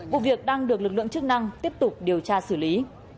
vụ việc đang được lực lượng chức năng tiếp tục điều tra xử lý